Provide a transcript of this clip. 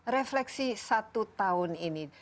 refleksi satu tahun ini